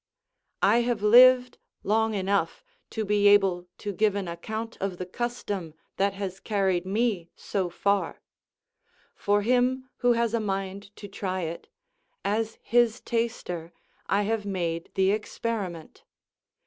] I have lived long enough to be able to give an account of the custom that has carried me so far; for him who has a mind to try it, as his taster, I have made the experiment.